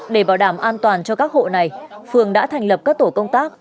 để bảo đảm an toàn cho các hộ này phường đã thành lập các tổ công tác